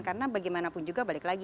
karena bagaimanapun juga balik lagi